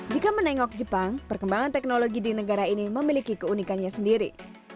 jika menengok jepang perkembangan teknologi di negara ini memiliki keunikannya sendiri